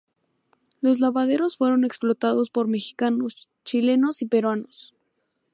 Los lavaderos fueron explotados por mexicanos, chilenos y peruanos.